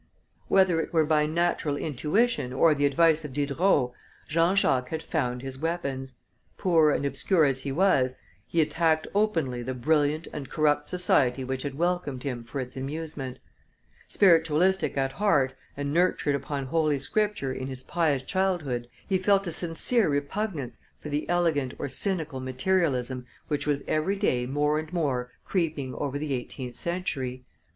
Whether it were by natural intuition or the advice of Diderot, Jean Jacques had found his weapons; poor and obscure as he was, he attacked openly the brilliant and corrupt society which had welcomed him for its amusement. Spiritualistic at heart and nurtured upon Holy Scripture in his pious childhood, he felt a sincere repugnance for the elegant or cynical materialism which was every day more and more creeping over the eighteenth century.